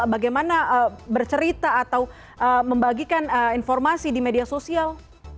bagaimana bercerita atau membagikan informasi di media sosial